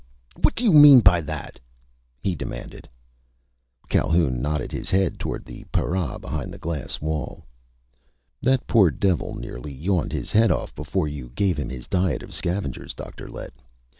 what do you mean by that?" he demanded. Calhoun nodded his head toward the para behind the glass wall. "That poor devil nearly yawned his head off before you gave him his diet of scavengers, Dr. Lett.